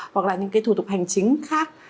hoặc là những thủ tục hành chính khác